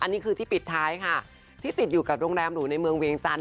อันนี้คือที่ปิดท้ายค่ะที่ติดอยู่กับโรงแรมหรูในเมืองเวียงจันท